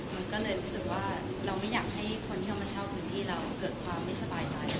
มันก็เลยรู้สึกว่าเราไม่อยากให้คนที่เข้ามาเช่าพื้นที่เราเกิดความไม่สบายใจ